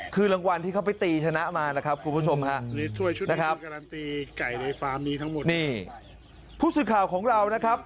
คือรางวัลที่เขาไปตีชนะมานะครับคุณผู้ชมฮะนะครับผู้สื่อข่าวของเรานะครับ